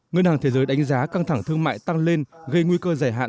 ngân hàng thế giới đánh giá căng thẳng thương mại tăng lên gây nguy cơ giải hạn